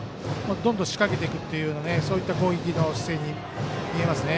どんどん仕掛けていくという攻撃の姿勢に見えますね。